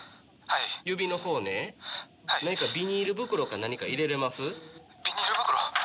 指のほうね何かビニール袋か何か入れれます？